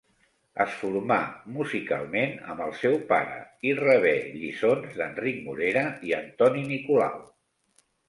Es formà musicalment amb el seu pare i rebé lliçons d'Enric Morera i Antoni Nicolau.